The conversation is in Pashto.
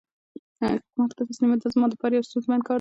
مرګ ته تسلیمېدل زما د پاره یو ستونزمن کار دی.